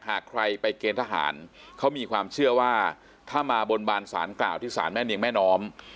หากใครไปเกณฑ์ทหารเขามีความเชื่อว่าถ้ามาบนบานสารกล่าวที่สารแม่เนียงแม่น้อม